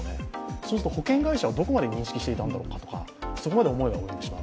そうすると保険会社はどこまで認識していたんだろうかとかそういう思いになりました。